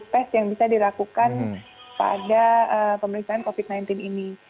tes yang bisa dilakukan pada pemeriksaan covid sembilan belas ini